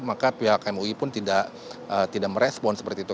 maka pihak mui pun tidak merespon seperti itu